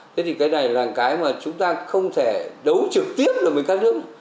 thế thì cái này là một cái mà chúng ta không thể đấu trực tiếp với các nước